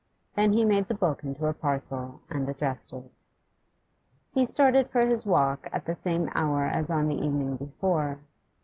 Then he made the book into a parcel and addressed it. He started for his walk at the same hour as on the evening before.